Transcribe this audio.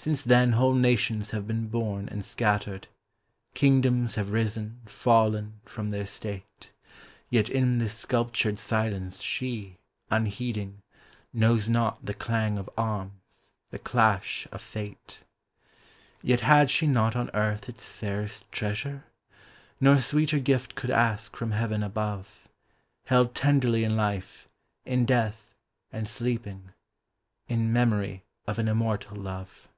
Since then whole nations have been born and scattered. Kingdoms have risen, fallen, from their state ; Yet in this sculptured silence she, unheeding, Knows not the clang of arms, the clash of Fate. ii8 AN IMMORTAL LOVE. Yet had she not on earth its fairest treasure? Nor sweeter gift could ask from heaven above ; Held tenderly in life, in death, and sleeping " In memory of an immortal love."